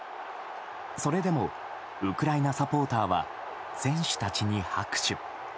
それでもウクライナサポーターは選手たちに拍手。